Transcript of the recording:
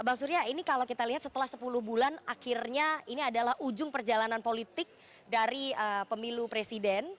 bang surya ini kalau kita lihat setelah sepuluh bulan akhirnya ini adalah ujung perjalanan politik dari pemilu presiden